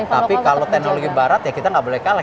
tapi kalau teknologi barat ya kita nggak boleh kalah